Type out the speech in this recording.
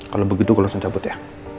kalau begitu gue langsung cabut ya